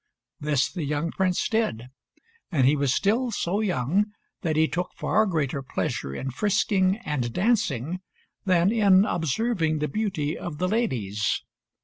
This the young Prince did; and he was still so young that he took far greater pleasure in frisking and dancing than in observing the beauty of the ladies.